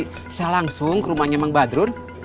bisa langsung ke rumahnya mang badrun